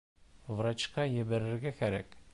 Врачҡа ебәрергә кәрәк